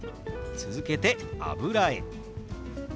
続けて「油絵」。